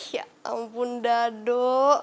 ya ampun dado